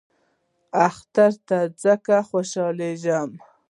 اختر ته ځکه خوشحالیږم .